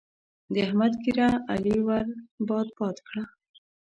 د احمد ږيره؛ علي ور باد باد کړه.